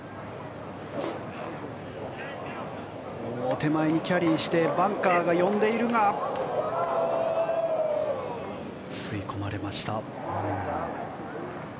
手前にキャリーしてバンカーに吸い込まれました。